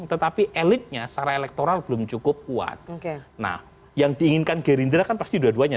tetapi elitnya secara elektoral belum cukup kuat nah yang diinginkan gerindra kan pasti dua duanya